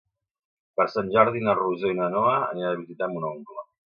Per Sant Jordi na Rosó i na Noa aniran a visitar mon oncle.